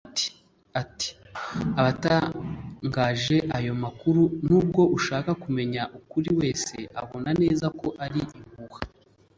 Ati “Abatangaje ayo makuru nubwo ushaka kumenya ukuri wese abona neza ko ari impuha